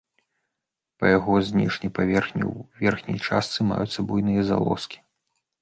Па яго знешняй паверхні ў верхняй частцы маюцца буйныя залозкі.